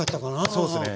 そうっすね。